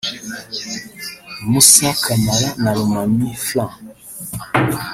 Moussa Camara na Lomami Frank